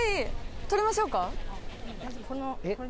撮りましょうか？